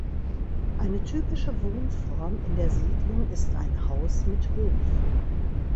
Eine typische Wohnform in der Siedlung ist ein Haus mit Hof.